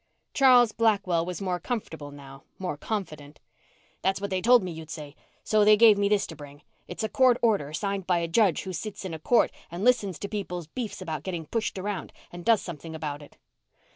Charles Blackwell was more comfortable now more confident. "That's what they told me you'd say, so they gave me this to bring. It's a court order signed by a judge who sits in a court and listens to people's beefs about getting pushed around and does something about it."